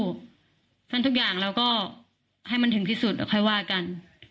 เพราะฉะนั้นทุกอย่างเราก็ให้มันถึงที่สุดแล้วค่อยว่ากัน